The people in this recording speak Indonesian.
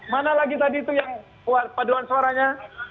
mana lagi tadi itu yang paduan suaranya